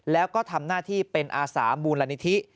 แล้วก็ทำหน้าที่เป็นอาสามูลนิธิ